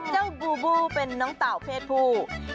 เจ้าบูบูเป็นเจ้าต่าเภศภู